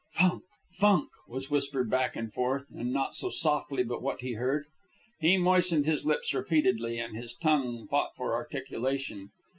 "Funk! Funk!" was whispered back and forth, and not so softly but what he heard. He moistened his lips repeatedly, and his tongue fought for articulation.